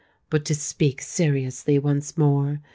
But to speak seriously once more.